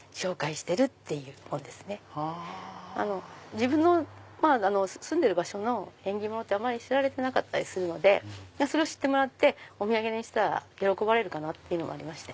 自分の住んでる場所の縁起物って知られてなかったりするのでそれを知ってもらってお土産にしたら喜ばれるかなって。